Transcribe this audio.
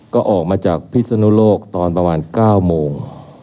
ก็ออกมาจากพิศนุโลกตอนประมาณ๙โมง